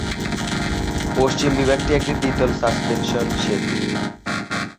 পশ্চিম বিভাগটি একটি দ্বি-তল সাসপেনশন সেতু।